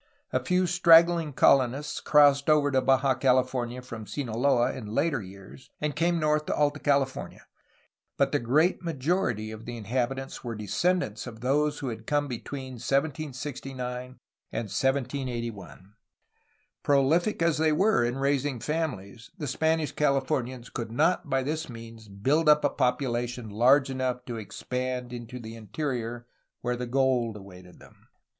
A few stragghng colonists crossed over to Baja California from Sinaloa in later years, and came north to Alta California, but the great majority of the in habitants were descendants of those who had come between 1769 and 1781. Prolific as they were in raising families, the Spanish Cahfomians could not by this means build up a population large enough to expand into the interior where the gold awaited them.